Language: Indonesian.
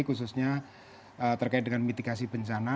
khususnya terkait dengan mitigasi bencana